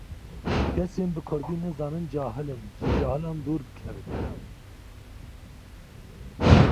Kesên bi kurdî nizanin cahil in, ji cahilan dûr bikevin.